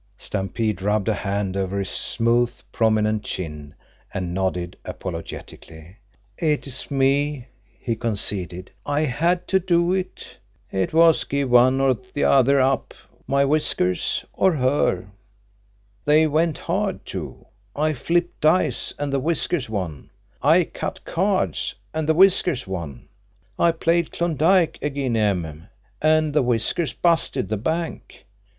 Stampede rubbed a hand over his smooth, prominent chin and nodded apologetically. "It's me," he conceded. "I had to do it. It was give one or t'other up—my whiskers or her. They went hard, too. I flipped dice, an' the whiskers won. I cut cards, an' the whiskers won. I played Klondike ag'in' 'em, an' the whiskers busted the bank.